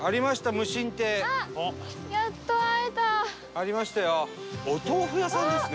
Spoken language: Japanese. ありましたよ。